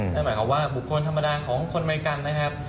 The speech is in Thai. นั่นหมายความว่าบุคคลธรรมดาของคนอเมริกันนะครับ